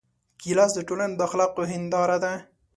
ګیلاس د ټولنې د اخلاقو هنداره ده.